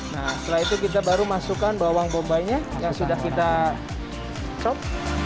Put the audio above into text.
nah setelah itu kita baru masukkan bawang bombay nya yang sudah kita chop